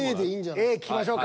Ａ聞きましょうか。